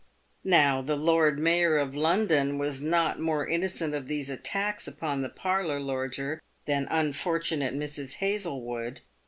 Now, the Lord Mayor of London was not more innocent of these attacks upon the parlour lodger than unfortunate Mrs. Hazlewood.